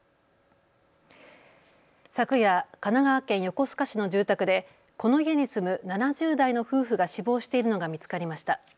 昨夜、神奈川県横須賀市の住宅でこの家に住む７０代の夫婦が死亡しているのが見つかりました。